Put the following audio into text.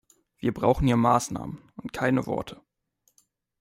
Wir brauchen hier Maßnahmen und keine Worte.